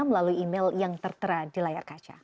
melalui email yang tertera di layar kaca